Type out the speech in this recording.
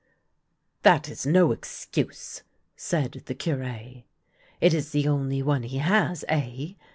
" That is no excuse," said the Cure. " It is the only one he has, eh